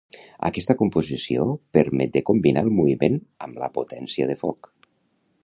Aquesta composició permet de combinar el moviment amb la potència de foc.